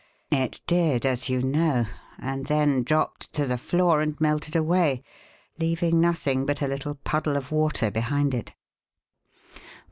It did, as you know, and then dropped to the floor and melted away, leaving nothing but a little puddle of water behind it."